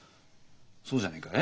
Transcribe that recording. そうじゃねえか？